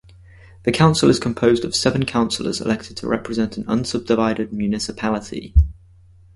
The council is composed of seven councillors elected to represent an unsubdivided municipality.